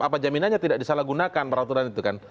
apa jaminannya tidak disalahgunakan peraturan itu kan